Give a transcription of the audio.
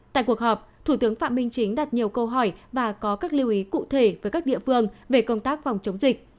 tại cuộc họp thủ tướng phạm minh chính đặt nhiều câu hỏi và có các lưu ý cụ thể với các địa phương về công tác phòng chống dịch